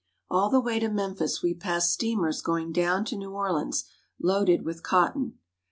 All the way to Memphis we pass steamers going down to New Orleans, loaded with cotton.